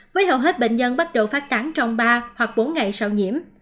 với hầu hết bệnh nhân bắt đầu phát tán trong ba hoặc bốn ngày sau nhiễm